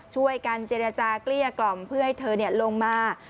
ช่วยกันเจรจาเกลี้ยกล่อมเพื่อให้เธอลงมา